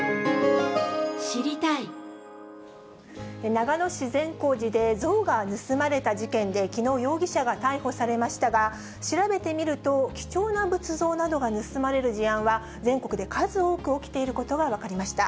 長野市善光寺で、像が盗まれた事件で、きのう容疑者が逮捕されましたが、調べてみると、貴重な仏像などが盗まれる事案は、全国で数多く起きていることが分かりました。